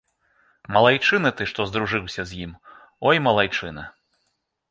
Малайчына ты, што здружыўся з ім, ой, малайчына!